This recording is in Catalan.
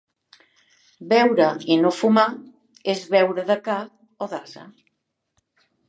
Beure i no fumar és beure de ca o d'ase.